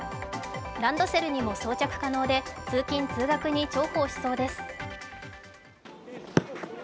ランドセルにも装着可能で通勤通学に重宝しそうです。